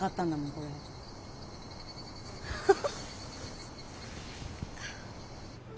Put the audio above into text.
これハハ。